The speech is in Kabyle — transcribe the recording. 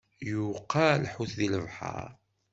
Yuqa lḥut di lebḥeṛ.